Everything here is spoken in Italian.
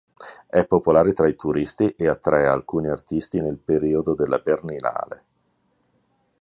È popolare tra i turisti e attrae alcuni artisti nel periodo della Berlinale.